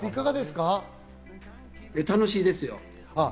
楽しいですよ。